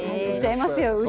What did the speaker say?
言っちゃいますよ。